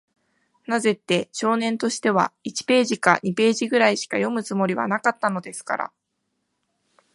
なぜって、少年としては、一ページか二ページぐらいしか読むつもりはなかったのですから。